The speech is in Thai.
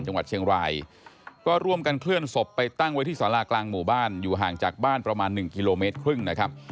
จังหวัดเชียงรายก็ร่วมกันเคลื่อนศพไปตั้งไว้ที่สารากลางหมู่บ้านอยู่ห่างจากบ้านประมาณ๑กิโลเมตรครึ่งนะครับ